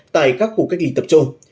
tại các khu cách ly tập trung